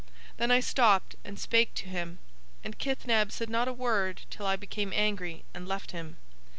Then I stopped and spake to him, and Kithneb said not a word till I became angry and left him.